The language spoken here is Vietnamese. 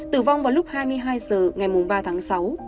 tử vong vào lúc hai mươi hai h ngày ba tháng sáu